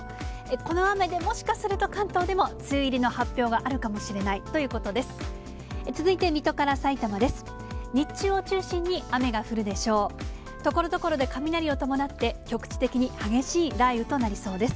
この雨で、もしかすると関東でも梅雨入りの発表があるかもしれないということです。